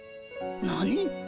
何？